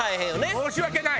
申し訳ない！